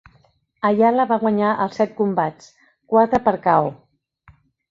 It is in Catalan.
Ayala va guanyar els set combats, quatre per KO.